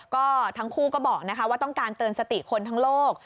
ก็ทั้งคู่ก็บอกว่าต้องการเตือนสติคนทั้งโลก